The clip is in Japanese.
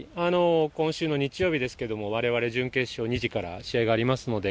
今週の日曜日、われわれ準決勝２時から試合がありますので。